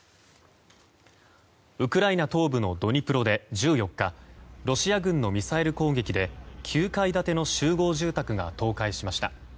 ウクライナ東部のドニプロで１４日ロシア軍のミサイル攻撃で９階建ての集合住宅が倒壊しました。